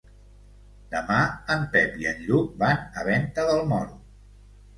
Demà en Pep i en Lluc van a Venta del Moro.